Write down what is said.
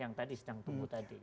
yang tadi sedang tumbuh tadi